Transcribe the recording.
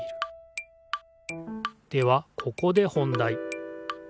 ではここで本だい。